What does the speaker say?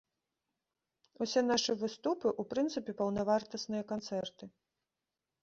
Усе нашы выступы, у прынцыпе, паўнавартасныя канцэрты.